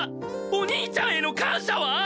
お兄ちゃんへの感謝は！？